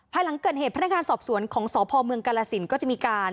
หลังเกิดเหตุพนักงานสอบสวนของสพเมืองกาลสินก็จะมีการ